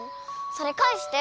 それかえして！